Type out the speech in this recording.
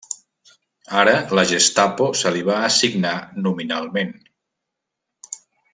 Ara la Gestapo se li va assignar nominalment.